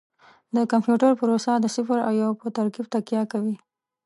د کمپیوټر پروسه د صفر او یو په ترکیب تکیه کوي.